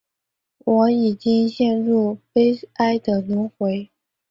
我已经陷入悲哀的轮回